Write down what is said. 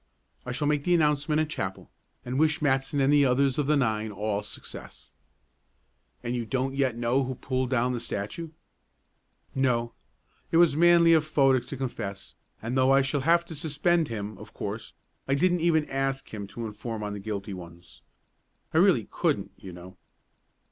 I shall make the announcement at chapel, and wish Matson and the others of the nine all success." "And you don't yet know who pulled down the statue?" "No. It was manly of Fodick to confess, and though I shall have to suspend him, of course, I didn't even ask him to inform on the guilty ones. I really couldn't, you know."